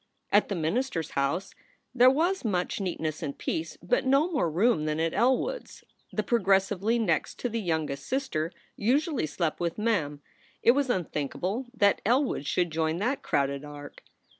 At the minister s house there was much neatness and peace, but no more room than at Elwood s. The progressively next to the youngest sister usually slept with Mem. It was unthinkable that Elwood should join that crowded ark.